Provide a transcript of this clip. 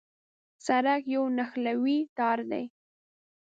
سړک یو نښلوی تار دی.